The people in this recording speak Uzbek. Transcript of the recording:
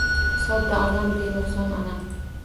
Sodda onam benuqson onam